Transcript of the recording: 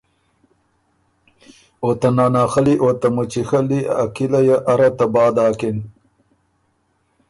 او ته ناناخلّی او ته مُچی خلّی ا کِلئ ارّه تباه داکِن۔